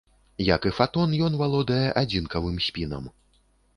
Як і фатон, ён валодае адзінкавым спінам.